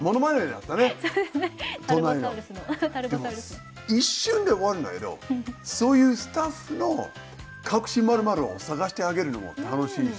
でも一瞬で終わるんだけどそういうスタッフの隠し○○を探してあげるのも楽しいし。